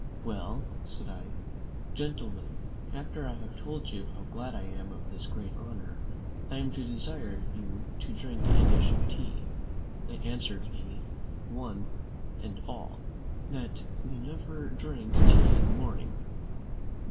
"Well," said I, "gentlemen, after I have told you how glad I am of this great honour, I am to desire you to drink a dish of tea." They answered one and all, "that they never drank tea in a morning."